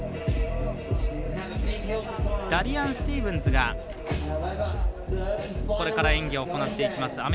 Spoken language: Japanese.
ダリアン・スティーブンズがこれから演技を行っていきます。